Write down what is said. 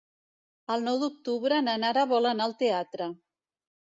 El nou d'octubre na Nara vol anar al teatre.